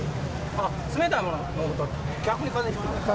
あっ、冷たいもの飲むと、逆にかぜひいちゃう？